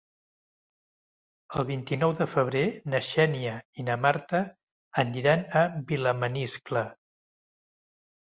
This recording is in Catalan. El vint-i-nou de febrer na Xènia i na Marta aniran a Vilamaniscle.